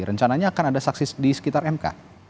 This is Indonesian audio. rencananya akan ada saksi di sekitar mk